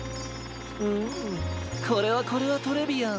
うんこれはこれはトレビアン！